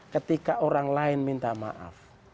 ketika orang lain minta maaf